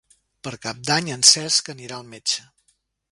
Per Cap d'Any en Cesc anirà al metge.